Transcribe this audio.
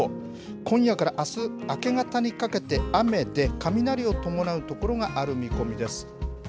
今夜からあす明け方にかけて雨で、雷を伴う所がある見込みです。